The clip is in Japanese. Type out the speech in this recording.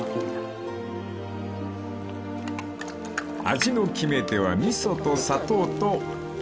［味の決め手は味噌と砂糖と］